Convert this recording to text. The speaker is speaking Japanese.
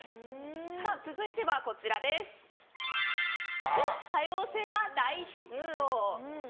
続いては「ちゅ、多様性。」が大ヒット。